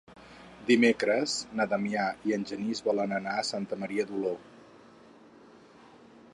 Dimecres na Damià i en Genís volen anar a Santa Maria d'Oló.